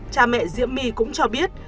cha mẹ diễm my cũng cho biết